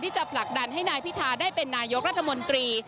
จะผลักดันให้นายพิธาได้เป็นนายกรัฐมนตรี